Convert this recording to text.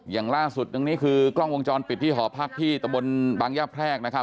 อย่างล่าสุดตรงนี้คือกล้องวงจรปิดที่หอพักที่ตะบนบางย่าแพรกนะครับ